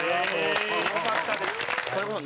すごかったです。